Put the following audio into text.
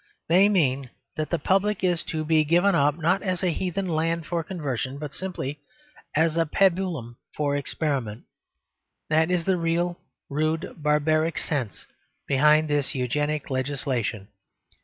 They mean that the public is to be given up, not as a heathen land for conversion, but simply as a pabulum for experiment. That is the real, rude, barbaric sense behind this Eugenic legislation.